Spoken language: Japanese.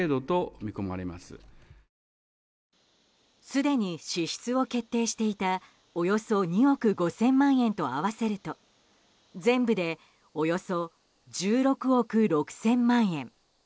すでに支出を決定していたおよそ２億５０００万円と合わせると、全部でおよそ１６億６０００万円。